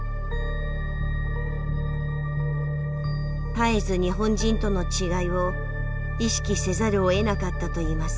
絶えず日本人との違いを意識せざるをえなかったといいます。